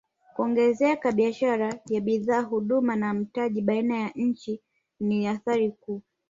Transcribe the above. Kuongezeka biashara ya bidhaa huduma na mtaji baina ya nchi ni athari kuu